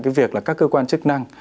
cái việc là các cơ quan chức năng